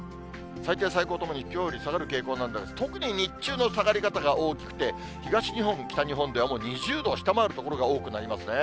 最低、最高ともにきょうより下がる傾向なんですが、特に日中の下がり方が大きくて、東日本、北日本ではもう２０度を下回る所が多くなりますね。